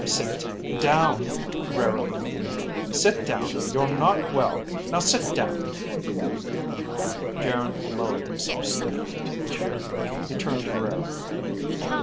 "Sit down," Rara repeated. "Sit down. You're not well. Now sit down!" Geryn lowered himself stiffly to the chair. He turned to Rara.